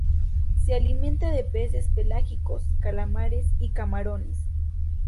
Se alimenta de peces pelágicos, calamares y camarones.